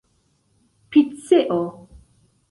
piceo